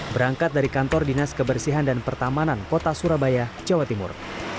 berangkat dari kantor dinas kebersihan dan pertamanan kota surabaya jawa timur